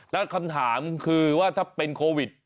แล้วคำถามคือว่าถ้าเป็นโควิด